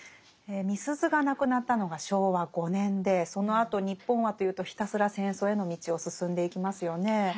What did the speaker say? みすゞが亡くなったのが昭和５年でそのあと日本はというとひたすら戦争への道を進んでいきますよね。